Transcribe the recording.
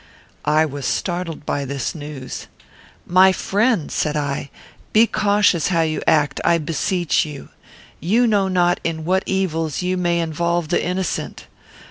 I was startled by this news. "My friend," said I, "be cautious how you act, I beseech you. You know not in what evils you may involve the innocent.